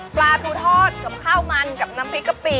ปลาทูทอดกับข้าวมันกับน้ำพริกกะปิ